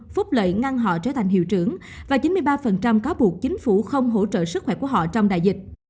phúc lợi ngăn họ trở thành hiệu trưởng và chín mươi ba cáo buộc chính phủ không hỗ trợ sức khỏe của họ trong đại dịch